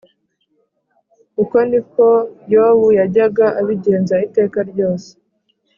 Uko ni ko Yobu yajyaga abigenza iteka ryose